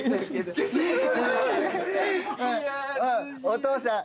お父さん。